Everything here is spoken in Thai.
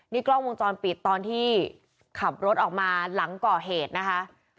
นี่กล้องวงจรปิดตอนที่ขับรถออกมาหลังก่อเหตุนะคะ